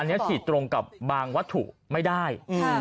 อันเนี้ยถิตรงกับบางวัตถุไม่ได้เอื้อ